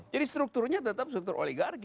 jadi strukturnya tetap struktur oligarki